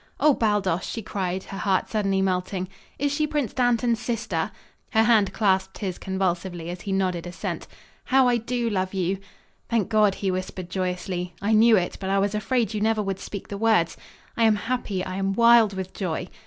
"Oh, Baldos!" she cried, her heart suddenly melting. "Is she Prince Dantan's sister?" Her hand clasped his convulsively, as he nodded assent. "Now I do love you." "Thank God!" he whispered joyously. "I knew it, but I was afraid you never would speak the words. I am happy I am wild with joy."